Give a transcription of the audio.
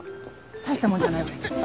大したもんじゃないわよ。